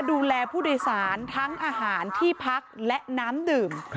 ดูแลผู้โดยสารทั้งอาหารที่พักและน้ำดื่ม